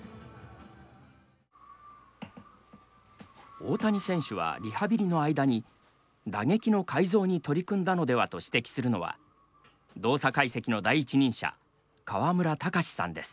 大谷選手はリハビリの間に打撃の改造に取り組んだのではと指摘するのは動作解析の第一人者川村卓さんです。